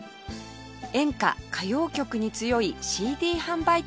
演歌歌謡曲に強い ＣＤ 販売店です